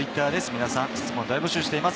皆さん、質問を大募集しています。